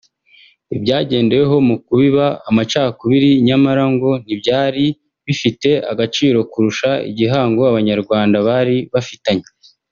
Ibyagendeweho mu kubiba amacakubiri nyamara ngo ntibyari bifite agaciro kurusha igihango Abanyarwanda bari bafitanye